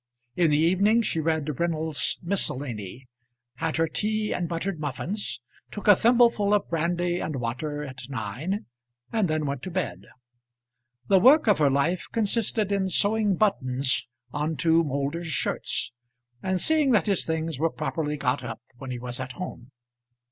In the evening she read Reynolds's Miscellany, had her tea and buttered muffins, took a thimbleful of brandy and water at nine, and then went to bed. The work of her life consisted in sewing buttons on to Moulder's shirts, and seeing that his things were properly got up when he was at home.